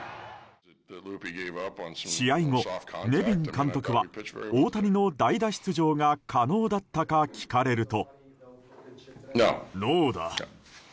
試合後、ネビン監督は大谷の代打出場が可能だったか聞かれると。